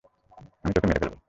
আমি তোকে মেরে ফেলবো।